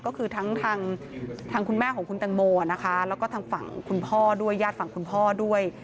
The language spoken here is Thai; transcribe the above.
ก็คือทั้งทางคุณแม่ของคุณตังโมนะคะแล้วก็ทางฝั่งคุณพ่อด้วยญาติฝั่งคุณพ่อด้วย